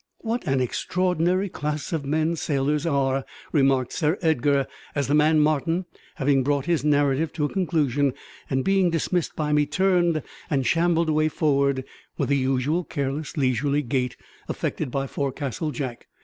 "What an extraordinary class of men sailors are!" remarked Sir Edgar, as the man Martin, having brought his narrative to a conclusion, and being dismissed by me, turned and shambled away forward with the usual careless, leisurely gait affected by forecastle Jack.